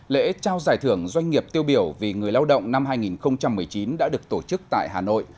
lễ trao giải thưởng doanh nghiệp tiêu biểu vì người lao động năm hai nghìn một mươi chín đã được tổ chức tại hà nội